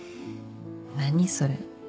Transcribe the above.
何それ。